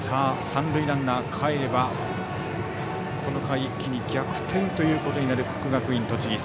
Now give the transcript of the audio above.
三塁ランナー、かえればこの回一気に逆転となる国学院栃木。